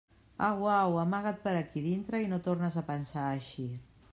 Au, au, amaga't per aquí dintre i no tornes a pensar a eixir.